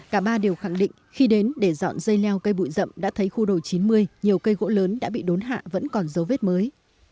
cả ba đều khẳng định khi đến để dọn dây leo cây bụi rậm đã thấy khu đồ chín mươi nhiều cây gỗ lớn đã bị đốn hạ vẫn còn dấu vết mới